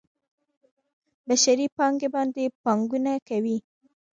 بشري پانګې باندې پانګونه کوي.